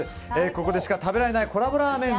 ここでしか食べられないコラボラーメン